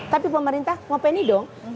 tapi pemerintah ngopi ini dong